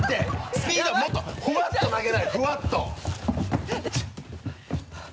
スピードもっとふわっと投げないとふわっと！